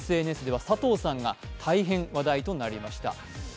ＳＮＳでは佐藤さんが大変話題となりました。